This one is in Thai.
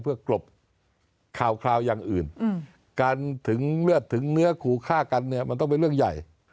เพื่อกรบข่าวอย่างอื่นการถึงเลือดถึงเนื้อขู่ฆ่ากันเนี่ยมันต้องเป็นเรื่องใหญ่